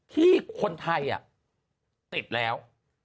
ที่คนไทยติดแล้ว